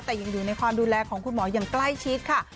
แต่ยังอยู่ในความดูแลของคุณหมออย่างใกล้ชิดค่ะ